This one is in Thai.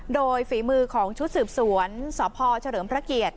โดยฝีมือของชุดสืบสวนสพเฉลิมพระเกียรติ